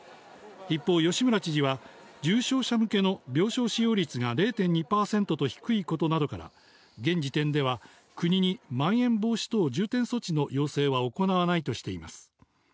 一方、吉村知事は、重症者向けの病床使用率が０．２％と低いことなどから、現時点では国にまん延防止等重点措置の要請は行わないとしています。